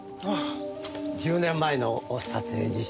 １０年前の撮影日誌。